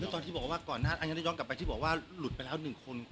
แล้วตอนที่บอกว่าก่อนย้อนกลับไปที่บอกว่าหลุดไปแล้วหนึ่งคน